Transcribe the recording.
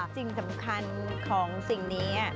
สิ่งสำคัญของสิ่งนี้